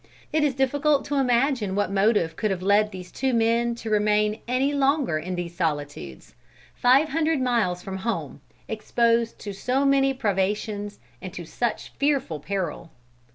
It is difficult to imagine what motive could have led these two men to remain any longer in these solitudes, five hundred miles from home, exposed to so many privations and to such fearful peril.